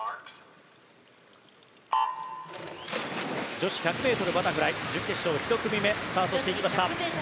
女子１００ｍバタフライ準決勝１組目スタートしていきました。